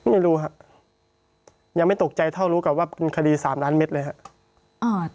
ไม่รู้ครับยังไม่ตกใจเท่ารู้กับว่าเป็นคดี๓ล้านเม็ดเลยครับ